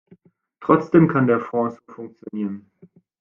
Trotzdem kann der Fonds so funktionieren.